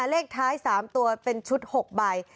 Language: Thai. เลขท้าย๓ตัวเป็นชุด๖ใบ